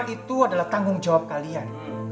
itu adalah tanggung jawab kalian